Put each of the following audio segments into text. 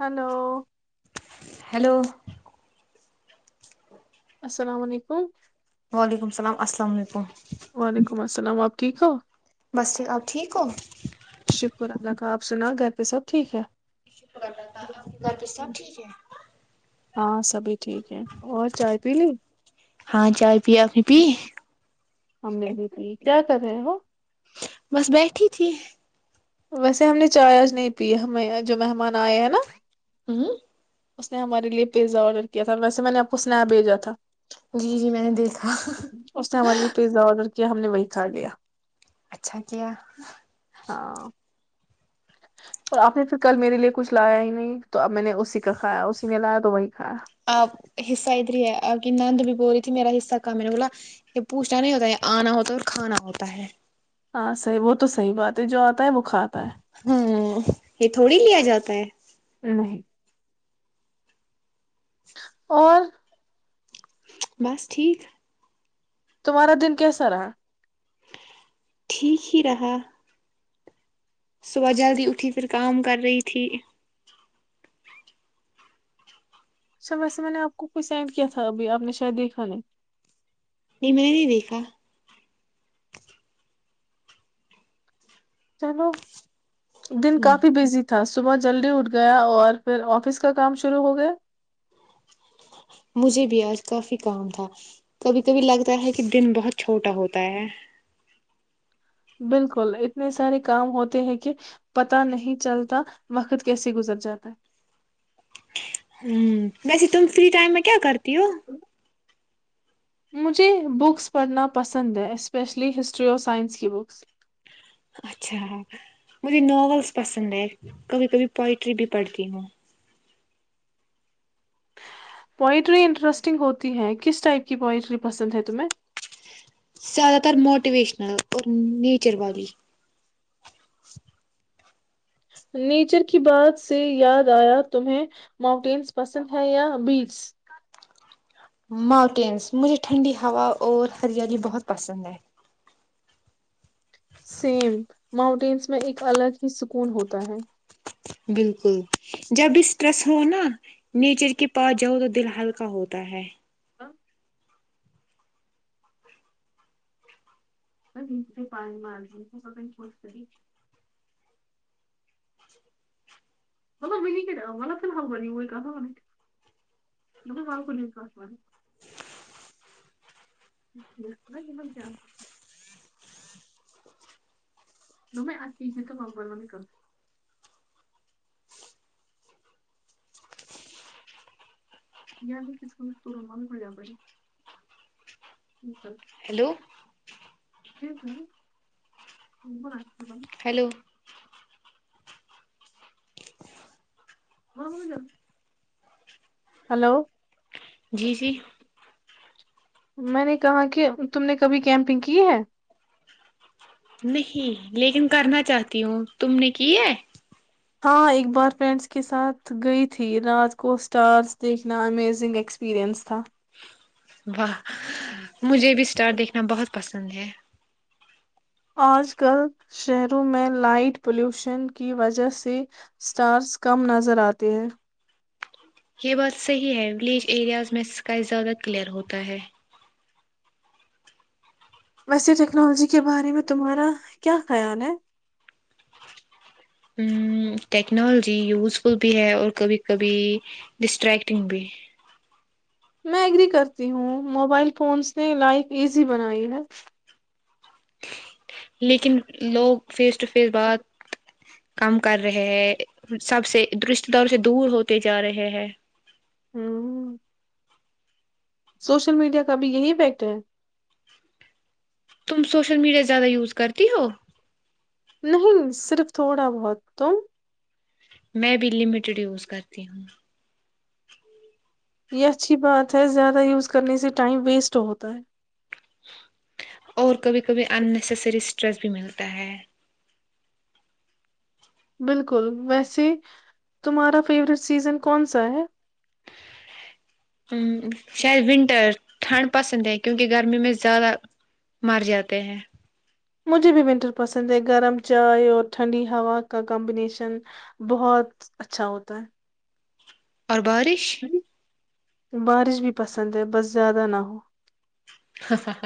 Hello hello السلام علیکم وعلیکم السلام السلام علیکم وعلیکم السلام آپ ٹھیک ہو بس ٹھیک آپ ٹھیک ہو شکر اللہ کا آپ سنا گھر پہ سب ٹھیک ہے کے گھر پہ سب ٹھیک ہے ہاں سبھی ٹھیک ہے اور چائے پی لی ہاں چار پی آنی پی ہممی بھی تھی کیا کر رہے وہ بس بیٹھی تھی ویسے ہم نے چائے آج نہیں پی ہمیں جو مہمان آئے ہیں نا ہوں اس نے ہمارے لیے پیزا آرڈر کیا تھا ویسے میں نے آپ کو اسنپ بھیجا تھا جی جی میں نے دیکھا اس نے ہمارے پیزا آڈر کیا کیا ہم نے وہی کھا لیا اچھا کیا ہے ہاں اور آپ نے پھر کل میرے لیے کچھ لایا ہی نہیں تو اب میں نے اسی کا کھایا اسی نے لایا تو وہی کھایا اب حصہ ادھر ہی ہے اب کی نند بھی بو رہی تھی میرا حصہ کام میں نے بولا یہ پوچھنا نہیں ہوتا یہ آنا ہوتا ہے اور کھانا ہوتا ہے ہاں صح وہ تو صحی بات ہے جو آتا ہے وہ کھاتا ہاں یہ تھوڑی لیا جاتا ہے ہے نہیں اور بس ٹھیک تمہارا دن کیسا رہا ٹھیک ہی رہا صبح جلدی اٹھی پھر کام کر رہی تھی اچھا ویسے میں نے آپ کو کچھ اینڈ کیا تھا ابھی آپ نے شاید دیکھا نہیں نہیں میں نے نہیں دیکھا چلو دن ہوں کافی بزی تھا صبح جلدی اٹھ گیا اور پھر آفس کا کام شروع ہو گیا مجھے بھی آج کافی کام تھا کبھی کبھی لگتا ہے کہ دن بہت چھوٹا ہوتا ہے بالکل اتنے سارے کام ہوتے ہیں کہ پتہ نہیں چلتا وقت کیسے گزر جاتا ہے ہ ویسے تم فری ٹائم میں کیا کرتے کرتی ہو مجھے بکس پڑھنا پسند ہے اسپیشلی ہسٹری اورف سائنس کی بکس اچھا مجھے ناولس پسند ہے کبھی کبھی پوئٹری بھی پڑھتی ہوں پوئٹری انٹرسٹنگ ہوتی ہے کس ٹائپ کی پوئٹری پسند ہے تمہیں زیادہ تر موٹیویشنل اور نیچر والی نیچر کی بات سے یاد آیا تمہیں ماؤنٹینس پسند ہے یا بیچس ماؤنٹینس مجھے ٹھنڈی ہوا اور ہریالی بہت پسند ہے سیم ماؤنٹینس میں ایک الگ ہی سکون ہوتا ہے بالکل جب بھی اسٹریس ہو نا نیچر کے پاس جاؤ تو دل ہلکا ہوتا ہے ا ے پانی میں آ تو سب ک [unintelligible] [unintelligible] [unintelligible] ہیلو ج س ب ہیلو [unintelligible] ہلو جی جی میں نے کہا کہ تم نے کبھی کیمپنگ کی ہے نہیں لیکن کرنا چاہتی ہوں تم نے کی ہے ہاں ایک بار فرینڈس کے ساتھ گئی تھی رات کو اسٹارس دیکھنا امیزنگ ایکسپیرئنس تھا واہ مجھے بھی اسٹار دیکھنا بہت پسند ہے سنجے آج کل شہروں میں لائٹ پولیوشن کی وجہ سے سٹارز کم نظر آتے ہیں یہ بس صحیح ہے ولیج ایریاز میں کائی زیادہ کلیئر ہوتا ہے ویسے ٹیکنالوجی کے بارے میں تمہارا کیا خیال ہے؟ ٹیکنالوجی یوزفل بھی ہے اور کبھی کبھی ڈسٹریکٹنگ بھی میں ایگری کرتی ہوں موبائل فونس نے لائف ایزی بنائی ہے لیکن لوگ پھر سے سٹفیظ بعد کم کر رہے ہے سب سے درش داروں سے دور ہوتے جا رہے ہے ہوں سوشل میڈیا کا بھی یہی امپیکٹ ہے تم سوشل میڈیا زیادہ یوز کرتی ہو نہیں صرف تھوڑا بہت تو میں بھی لمیٹڈ یز کرتی ہوں یہ اچھی بات ہے زیادہ یوز کرنے سے ٹائم ویسٹ ہوتا ہے اور کبھی کبھی اننیسسری اسٹریس بھی ملتا ہے بالکل ویسے تمہارا فیوریٹ سیزن کون سا ہے شاید ونٹر ٹھنڈ پسند ہے کیونکہ گرمی میں زیادہ مر جاتے ہیں مجھے بھی ونٹر پسند ہے گرم چائے اور ٹھنڈی ہوا کا کمبینیشن بہت اچھا ہوتا ہے اور بارش بارش بھی پسند ہے بس زیادہ نہ ہو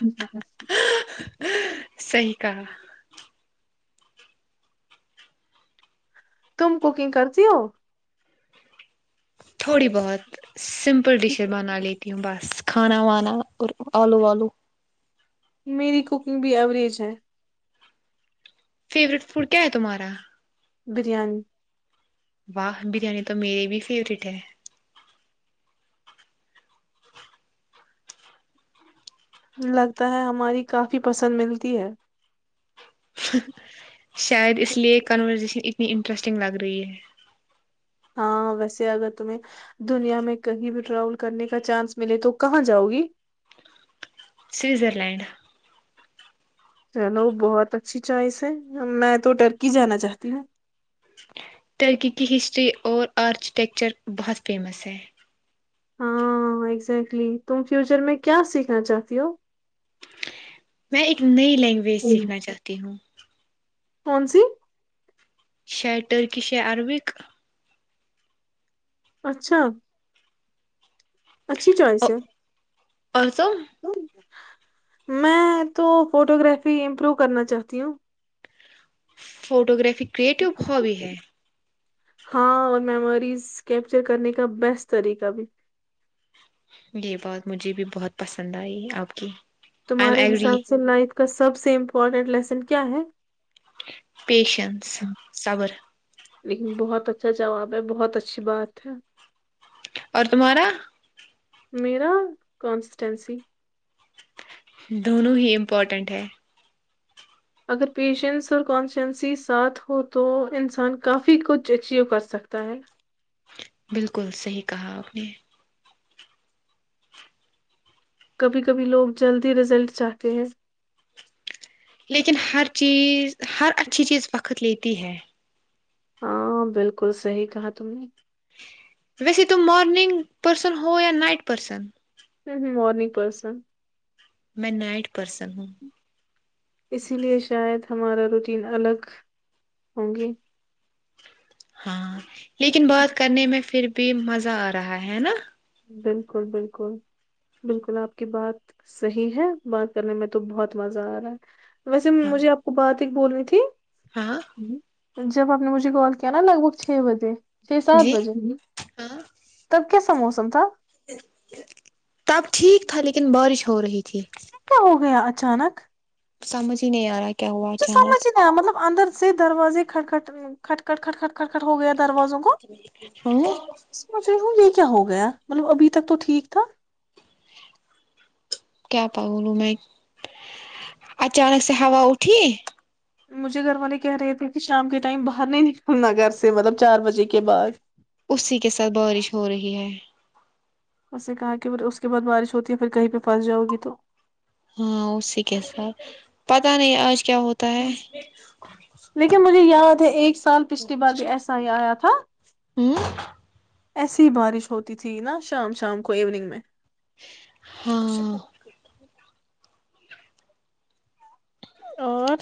جیس صی کا تم کوکنگ کرتی ہو تھوڑی بہت سمپل ڈشر بنانے لییتے بس کھانا وانا اور آلو والو میری کوکنگ بھی ایوریج ہے فیورٹ فوڈ کیا ہے تمہارا بریانی واہ بریانی تو میرری بھی فیورورٹ ہے لگتا ہے ہماری کافی پسند ملتی ہے شاید اس لیے کنورزیشن اتنی انٹرسٹنگ لگ رہی ہے ہاں ویسے اگر تمہیں دنیا میں کہیں بھی ٹریول کرنے کا چانس ملے تو کہاں جاؤ گی سوزر لینڈ چلو بہت اچھی چوائس ہے میں تو ٹرکی جانا چاہتی ہوں ترکی کی ہسٹری اور آرکیٹیکچر بہت فیمس ہے ہاں ازیکٹلی تم فیوچر میں کیا سیکھنا چاہتی ہو ات [unintelligible] لینگویج سیکھنا چاہتی ہوں [unintelligible] کون سی [unintelligible] ش ٹرکی سے اربک اچھا [unintelligible] اچھی چوائس ہے پسو [unintelligible] میں تو فوٹو گرافی امپروو کرنا چاہتی ہوں فوٹو گرافی کریٹو ہابی ہے [unintelligible] ہاں اور میموریز کیپچر کرنے کا بیسٹ طریقہ بھی یہ بہت مجھے بھی بہت پسند آئی آپ کی آئی ایم تمہارے ایگری حساب سے لائف کا سب سیمپل امپورٹنٹ لیسن کیا ہے [unintelligible] پیشنس صبر [unintelligible] لیکن بہت اچھا جواب ہے بہت اچھی بات ہے [unintelligible] اور تمہارا میرا کانسٹینسی [unintelligible] دونوں ہی امپورٹنٹ ہے اگر پیشنس اور کانسنسی ساتھ ہو تو انسان کافی کچھ اچیو کرسکتا ہے بالکل صحیح کہا آپ نے کبھی کبھی لوگ جلدی رزلٹ چاہتے ہیں لیکن ہر چیز ہر اچھی چیز وقت لیتی تی ہے [unintelligible] ہاں بالکل صحی کہا تم نے ویسے تم مارننگ پرسن ہو یا نائٹ پرسن ہ ہ مورننگ پرسن میں نائٹ پرسن ہوں اسی لیے شاید ہمارا روٹین الگ ہوں گے ہاں لیکن بات کرنے میں پھر بھی مزہ آ رہا ہے نا [inaudible] بالکل بالکل بالکل آپ کی بات صحیح ہے بات کرنے میں تو بہت مزہ آ رہا ہے ویسے ہاں مجھے آپ کو بات [inaudible] بول رہوی تھی [inaudible] ہاں ہوں [inaudible] جب آپ نے مجھے کال کیا نا لگ بھگ چھ بجے چھ سات جی بجے گی ہاں تب کیسے [inaudible] موسم تو تب ٹھیک تھا لیکن بارش ہو رہی تھی کیا ہو گیا اچانک سمج ہی نہیں آ رہا کیا ہوا وہھ سمجھ اچانک ہی نا مطلب اندر سے دروازے کٹ کھٹ کٹ کٹ کٹ کٹکھٹ ہو گیا تھا دروازوں کو ہاں سوچ رہی ہوں یہ کیا ہو گیا مطلب ابھی تک تو ٹھیک تھا کیا پا بولوں میں اچانک سے ہوا اٹھی مجھے گھر والے کہہ رہے تھے کہ شام کے ٹائم باہر نہیں نکلنا گھر سے مطلب چار بجے کے بعد اسی کے ساتھ بارش ہو رہی ہے اس نے کہا کہ پ اس کے بعد بارش ہوتی ہے پھر کہیں پہ پھنس جاؤ گی تو ہاں اسی کے ساتھ پتا نہیں آج کیا ہوتا ہے لیکن مجھے یاد ہے ایک سال پچھلی بار بھی ایسا ہی آیا تھا ہ ایسی بارش ہوتی تھی نا شام شام کو ایوننگ میں ہاں اور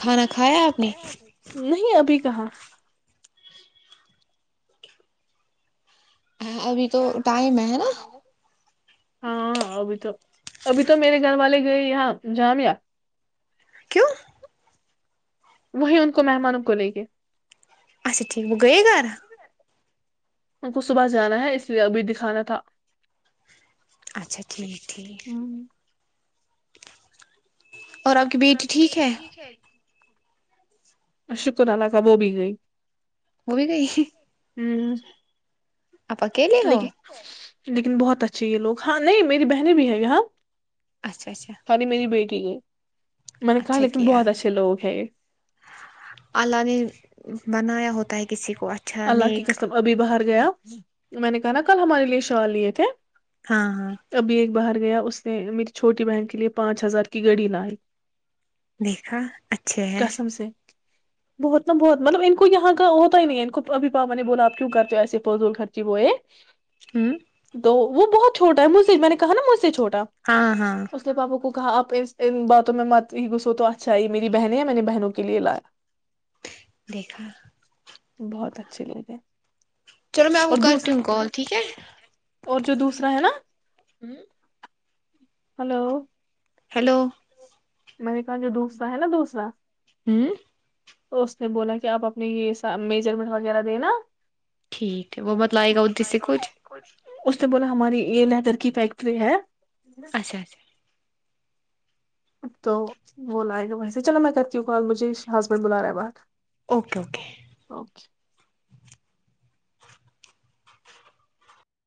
کھانا کھایا آپ نے نہیں ابھی کہاں ہاں ابھی تو ٹائم ہے ہے نا ہاں ابھی تو ابھی تو میرے گھر والے گئے یہاں جام یا کیوں وہیں ان کو مہمانوں کو لیں گے اچھا ٹھیک ب گیے گھر ان کو صبح جانا ہے اس لیے ابھی دکھانا تھا اچھا ٹھیک ٹھیک اور آپ کی بیٹی ٹھیک ہے شکر اللہ کاب بھی گئی وہ بھی گئی ہوں آپا کلیے ہو لیکن بہت اچھے یہ لوگ ہاں نہیں میری بہنیں بھی ہیں ہاں اچھا اچھا سانی میری بیٹی کے اچھا کیا ہیں یہ اللہ نے بنایا ہوتا اتائ کسی کو اچھا اللہ کی نیک قسب ابھی باہر گیا میں نے کہا نا کل ہمارے لیے شال لیے تھے ہاں ہاں ابھی ایک باہر گیا اس نے میری چھوٹی بہن کے لئے پانچ ہزار کی گڑی لائی دیکھا اچھے ہیں کسم سے بہت نا بہت مطلب ان کو یہاں کا ہوتا ہی نہیں ہے ان کو ابھی پاپا نے بولا آپ کیوں کرتے ہو ایسے فضول خھرچی وہ ہے ہ دو وہ بہت چھوٹا ہے مجھ سے میں نے کہا نا مجھ سے چھوٹا ہاں ہاں اس نے پاپا کو کہا آپ ان باتوں میں مت ہی گھسو تو اچھا ہے میری بہنیں ہے میں نے بہنوں کے لیے لایا دیکھا بہت ت چ لے چلو میں آپ کو کرتی ہوں کال ٹھیک ہے اور جو دوسرا ہے نا ہ ہلو ہیلو میں نے کہا جو دوسرا ہے نا دوسرا ہوں تو اس نے بولا کہ آپ اپنے یہ میجرمنٹ وغیرہ دینا ٹھیک ہے وہ بتلئے گا ادھر سے کچھ اس نے بولا ہماری یہ لیدر کی فیکٹری ہے اچھا اچھا اب تو وہ لائے گا ویسے چلو میں کرتی ہوں کال مجھے حض بن ملار آباد اوکے اوکے اوکے